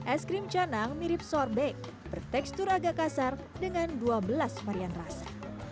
es krim canang mirip sorbek bertekstur agak kasar dengan dua belas varian rasa